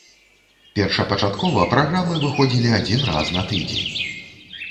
Першапачаткова праграмы выходзілі адзін раз на тыдзень.